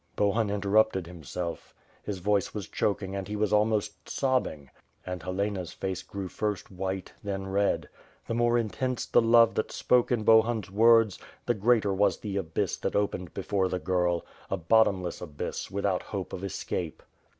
Bohun interrupted himself; his voice was choking and he was almost sobbing; and Helena's face grew first white, then red. The more intense the love that spoke in Bohun's words, the greater was the abyss that opened before the girl, a bot tomless abyss .without hope of escape.